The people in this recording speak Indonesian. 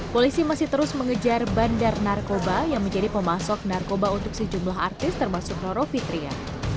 polisi masih terus mengejar bandar narkoba yang menjadi pemasok narkoba untuk sejumlah artis termasuk roro fitria